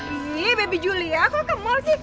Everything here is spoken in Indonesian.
iya baby julia kok kemol sih